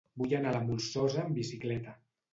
Vull anar a la Molsosa amb bicicleta.